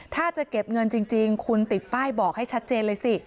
ถ้าจะเก็บเงินจริงคุณติดป้ายบอกให้ชัดเจนเลยสิ